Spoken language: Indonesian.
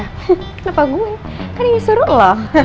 kenapa gue kan ini seru loh